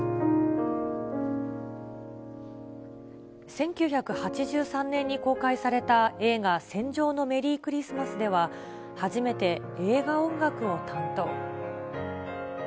１９８３年に公開された映画、戦場のメリークリスマスでは、初めて映画音楽を担当。